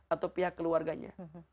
atau pihak keluarganya